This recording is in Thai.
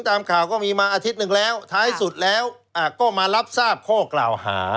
ตามข่าวก็มีมาอาทิตย์หนึ่งแล้วท้ายสุดแล้วก็มารับทราบข้อกล่าวหา